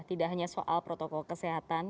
tidak hanya soal protokol kesehatan